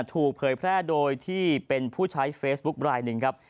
เผยแพร่โดยที่เป็นผู้ใช้เฟซบุ๊คลายหนึ่งครับ